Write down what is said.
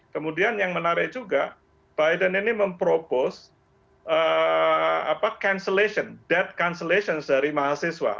kemudian yang menarik juga biden ini mempropos cancellation debt cancellations dari mahasiswa